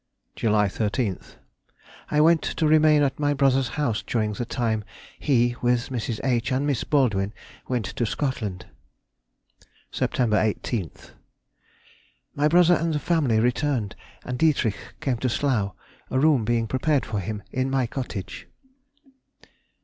July 13th.—I went to remain at my brother's house during the time he, with Mrs. H. and Miss Baldwin, went to Scotland. Sept. 18th.—My brother and the family returned, and Dietrich came to Slough, a room being prepared for him in my cottage.